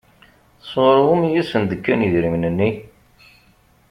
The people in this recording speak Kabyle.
Sɣur wumi i sent-d-kan idrimen-nni?